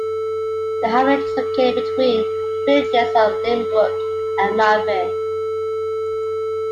The hamlet is located between the Villages of Lynbrook and Malverne.